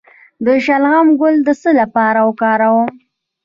د شلغم ګل د څه لپاره وکاروم؟